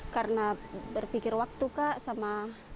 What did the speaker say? karena berpikir waktu kak sama